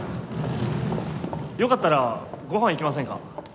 よかったらご飯行きませんか？